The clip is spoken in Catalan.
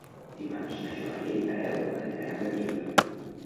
Dimarts na Joana i en Gaël aniran a Gallifa.